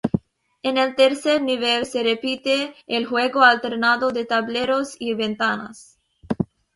En el tercer nivel se repite el juego alternado de tableros y ventanas.